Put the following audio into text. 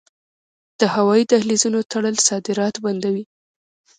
د هوایی دهلیزونو تړل صادرات بندوي.